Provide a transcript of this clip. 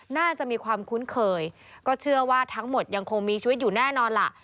น่าจะมีความคุ้นเคยก็เชื่อว่าทั้งหมดยังคงมีชีวิตอยู่แน่นอนล่ะ